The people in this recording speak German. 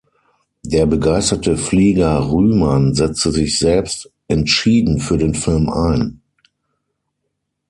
Der begeisterte Flieger Rühmann setzte sich selbst entschieden für den Film ein.